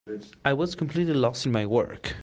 I was completely lost in my work.